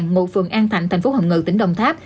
ngụ phường an thạnh thành phố hồng ngự tỉnh đồng tháp